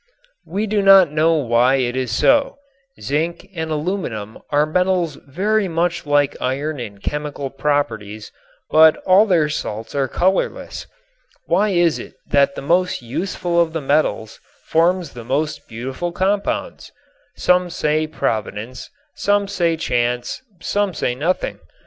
We do not know why it is so. Zinc and aluminum are metals very much like iron in chemical properties, but all their salts are colorless. Why is it that the most useful of the metals forms the most beautiful compounds? Some say, Providence; some say, chance; some say nothing.